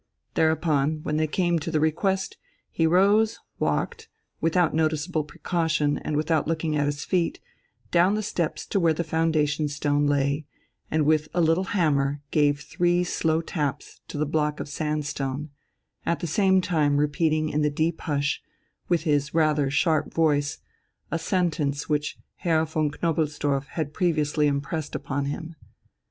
Thereupon, when they came to the request, he rose, walked, without noticeable precaution and without looking at his feet, down the steps to where the foundation stone lay, and with a little hammer gave three slow taps to the block of sandstone, at the same time repeating in the deep hush, with his rather sharp voice, a sentence which Herr von Knobelsdorff had previously impressed upon him.